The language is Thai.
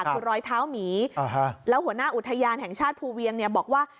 คือรอยเท้าหมีแล้วหัวหน้าอุทยานแห่งชาติภูเวียงบอกว่า